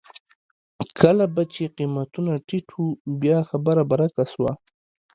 کله به چې قېمتونه ټیټ وو بیا خبره برعکس وه.